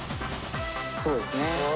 そうですね。